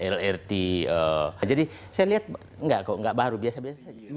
lrt jadi saya lihat enggak kok enggak baru biasa biasa